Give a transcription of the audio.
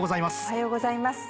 おはようございます。